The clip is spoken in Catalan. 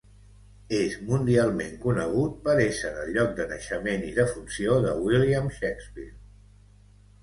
És mundialment conegut per ésser el lloc de naixement i defunció de William Shakespeare.